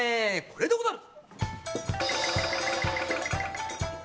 これでござる！